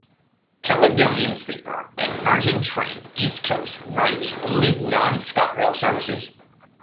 Caledonian Sleeper and Virgin Trains East Coast run the only non-ScotRail services.